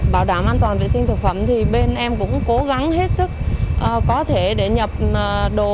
bảo đảm an toàn vệ sinh thực phẩm thì bên em cũng cố gắng hết sức có thể để nhập đồ